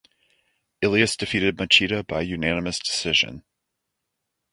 Ilias defeated Machida by unanimous decision.